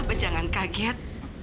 papa jangan kaget